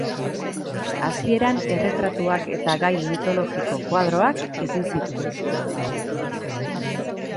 Hasieran erretratuak eta gai mitologiko koadroak egin zituen.